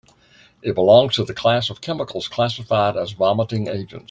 It belongs to the class of chemicals classified as vomiting agents.